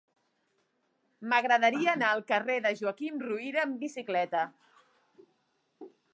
M'agradaria anar al carrer de Joaquim Ruyra amb bicicleta.